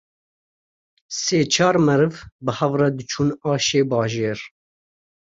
sê-çar meriv bi hevra diçûn aşê bajêr